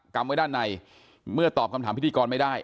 ำไว้ด้านในเมื่อตอบคำถามพิธีกรไม่ได้